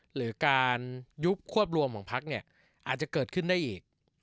หรือการยุบควบรวมของพักเนี่ยอาจจะเกิดขึ้นได้อีก